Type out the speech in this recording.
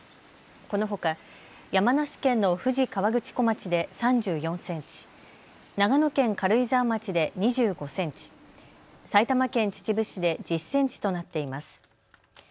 このほか山梨県の富士河口湖町で３４センチ、長野県軽井沢町で２５センチ、埼玉県秩父市で１０センチとなっています。